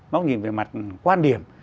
góc nhìn về mặt quan điểm